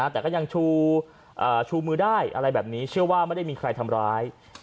แต่ก็ยังชูมือได้อะไรแบบนี้เชื่อว่าไม่ได้มีใครทำร้าย